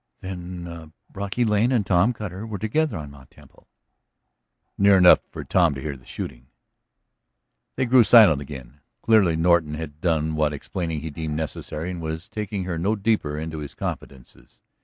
"Then Brocky Lane and Tom Cutter were together on Mt. Temple?" "Near enough for Tom to hear the shooting." They grew silent again. Clearly Norton had done what explaining he deemed necessary and was taking her no deeper into his confidences.